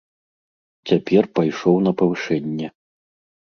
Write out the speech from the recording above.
Цяпер пайшоў на павышэнне.